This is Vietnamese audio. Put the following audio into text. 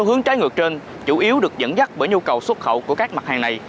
hướng trái ngược trên chủ yếu được dẫn dắt bởi nhu cầu xuất khẩu của các mặt hàng này